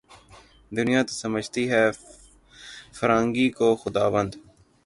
دنیا تو سمجھتی ہے فرنگی کو خداوند